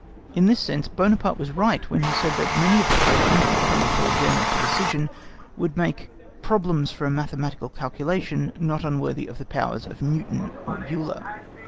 In this sense, Buonaparte was right when he said that many of the questions which come before a General for decision would make problems for a mathematical calculation not unworthy of the powers of Newton or Euler.